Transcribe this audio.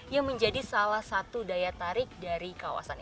yang menjadi salah satu daya tarik dari kawasan ini